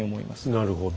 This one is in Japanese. なるほど。